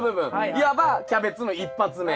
いわばキャベツの一発目。